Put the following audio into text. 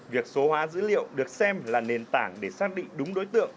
việc số hóa dữ liệu được xem là nền tảng để xác định đúng đối tượng